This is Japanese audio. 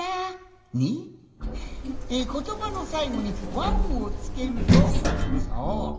ことばのさいごに「ワン」をつけるとそう！